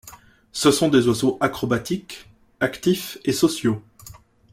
Ce sont des oiseaux acrobatiques, actifs et sociaux.